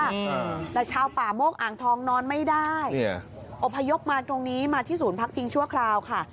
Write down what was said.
อืมแต่ชาวป่าโมกอ่างทองนอนไม่ได้เนี่ยอบพยพมาตรงนี้มาที่ศูนย์พักพิงชั่วคราวค่ะ